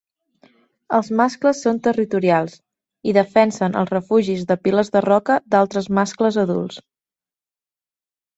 Els mascles són territorials, i defensen els refugis de piles de roca d'altres mascles adults.